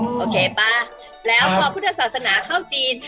โอเคป่ะแล้วพอพุทธศาสนาเข้าจีน